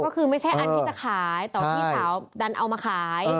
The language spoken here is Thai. ก็คือไม่ใช่อันที่จะขายแต่ว่าพี่สาวดันเอามาขาย